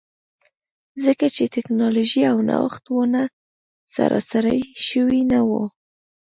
ځکه چې ټکنالوژي او نوښت ونه سراسري شوي نه وو.